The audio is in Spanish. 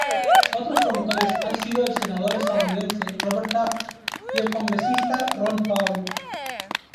Otros promotores han sido el senador estadounidense Robert Taft y el congresista Ron Paul.